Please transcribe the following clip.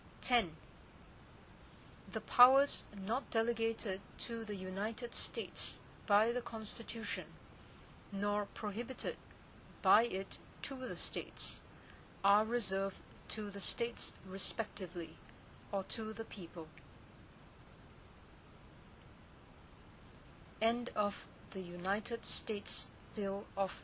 X The powers not delegated to the United States by the Constitution, nor prohibited by it to the States, are reserved to the States respectively, or to the people.